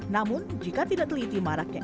namun jika tidak teliti maraknya